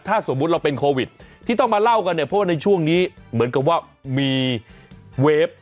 ถ้าสมมุติเราเป็นโควิดที่ต้องมาเล่ากันเนี่ยเพราะว่าในช่วงนี้เหมือนกับว่ามีเวฟ